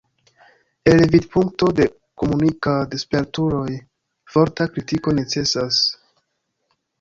El vidpunkto de komunikad-spertuloj forta kritiko necesas.